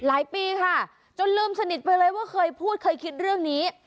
หลายปีค่ะจนลืมสนิทไปเลยว่าเคยพูดเคยคิดเรื่องนี้